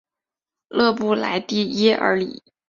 勒布莱蒂耶尔里。